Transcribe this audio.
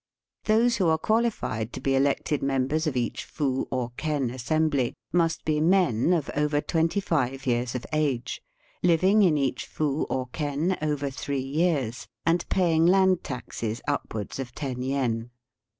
Those who are qualified to be elected members of each fu or ken assembly must be men of over twenty five years of age, living in each fu or ken over three years, and paying land taxes upwards of ten yen.